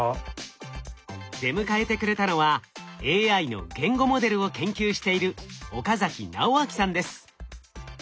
出迎えてくれたのはＡＩの言語モデルを研究している岡直観さんです。